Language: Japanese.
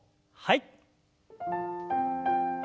はい。